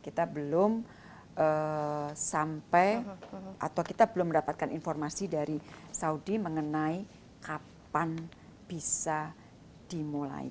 kita belum sampai atau kita belum mendapatkan informasi dari saudi mengenai kapan bisa dimulai